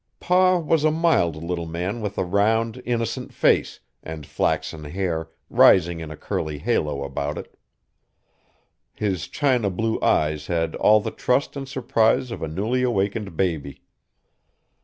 Pa was a mild little man with a round, innocent face, and flaxen hair rising in a curly halo about it. His china blue eyes had all the trust and surprise of a newly awakened baby.